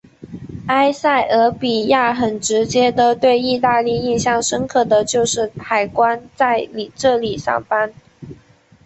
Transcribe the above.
埃塞俄比亚很直接的对意大利印象深刻的就是海关在这里上班。